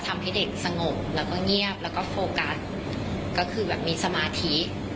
ทำให้เด็กสงบแล้วก็เงียบแล้วก็โฟกัสก็คือแบบมีสมาธิ